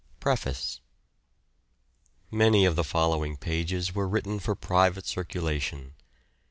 PREFACE. Many of the following pages were written for private circulation.